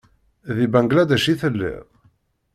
Di Bangladec i telliḍ?